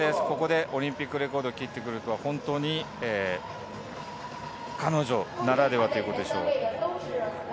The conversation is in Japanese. ここでオリンピックレコードを切ってくるとは本当に彼女ならではということでしょう。